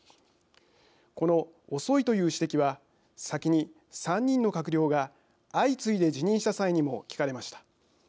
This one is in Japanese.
この遅いという指摘は先に３人の閣僚が相次いで辞任した際にも聞かれました。